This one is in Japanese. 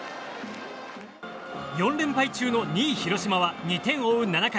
４連敗中の２位広島は２点を追う７回。